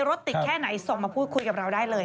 รถติดแค่ไหนส่งมาพูดคุยกับเราได้เลย